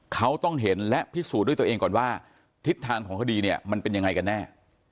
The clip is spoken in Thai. เขาต้องเห็นและพิสูจน์ด้วยตัวเองก่อนว่าทิศทางของคดีเนี่ยมันเป็นยังไงกันแน่